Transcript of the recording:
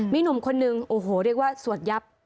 มีหนุ่มคนนึงโอ้โหเรียกว่าสวดยับ